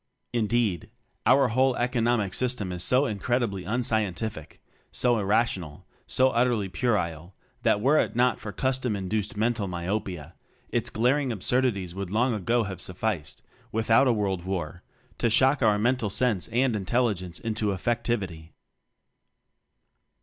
, Indeed, our whole "Economic Sys tem" is so incredibly unscientific, so irrational, so utterly puerile, that, were it not for custom induced mental myopia, its glaring absurdities would long ago have suf ficed without a world war to shock our moral sense and intelligence into effectivity.